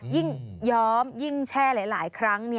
ย้อมยิ่งแช่หลายครั้ง